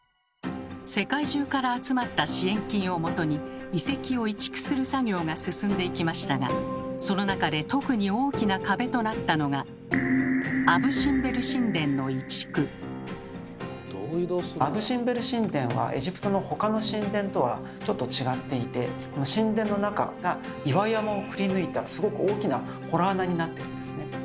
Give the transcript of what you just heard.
世界中から集まった支援金をもとに遺跡を移築する作業が進んでいきましたがその中で特に大きな壁となったのがアブ・シンベル神殿はエジプトの他の神殿とはちょっと違っていて神殿の中が岩山をくりぬいたすごく大きな洞穴になっているんですね。